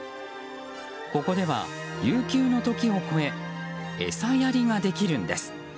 ここでは、悠久の時を超えて餌やりができるんです。